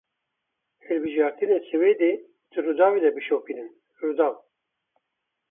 Hilbijartinên Swêde di Rûdawê de bişopînin Rûdaw.